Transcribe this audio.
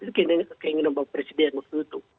itu keinginan bapak presiden waktu itu